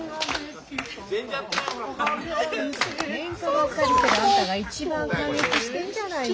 けんかばっかりしてるあんたが一番感激してんじゃないの。